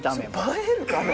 映えるかな？